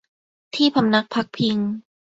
ที่พำนักพักพิง